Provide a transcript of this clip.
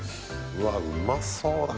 うわっうまそうだ！